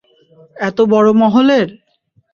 এত বড় মহলের।